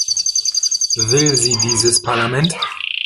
Will sie dieses Parlament?